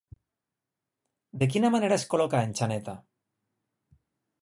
De quina manera es col·locà en Xaneta?